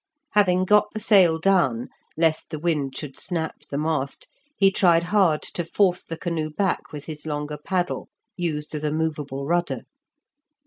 Having got the sail down (lest the wind should snap the mast), he tried hard to force the canoe back with his longer paddle, used as a movable rudder.